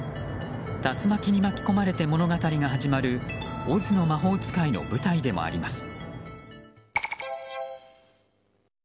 竜巻に巻き込まれて物語が始まる「オズの魔法使い」の舞台でもあります。